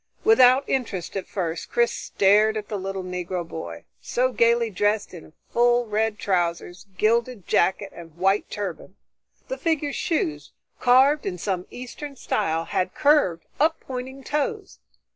Without interest at first, Chris stared at the little Negro boy, so gaily dressed in full red trousers, gilded jacket and white turban. The figure's shoes, carved in some Eastern style, had curved up pointing toes.